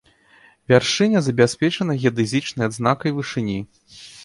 Вяршыня забяспечана геадэзічнай адзнакай вышыні.